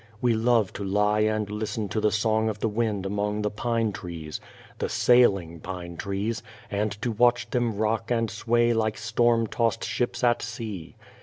We love to lie and listen to the song of the wind among the pine trees the "sailing" pine trees and to watch them rock and sway like storm tossed ships at sea.